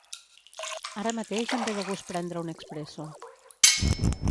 Ara mateix em ve de gust prendre un expresso.